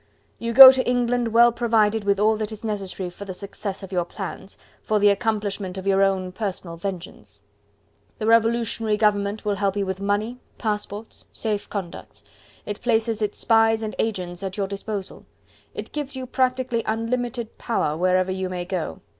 You go to England well provided with all that is necessary for the success of your plans, for the accomplishment of your own personal vengeance. The Revolutionary Government will help you with money, passports, safe conducts; it places its spies and agents at your disposal. It gives you practically unlimited power, wherever you may go.